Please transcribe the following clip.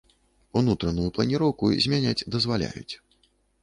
Унутраную планіроўку змяняць дазваляюць.